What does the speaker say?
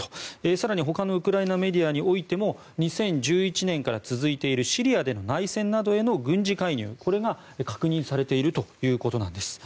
更に、他のウクライナメディアにおいても２０１１年から続いているシリアでの内戦などへの軍事介入が確認されているということなんです。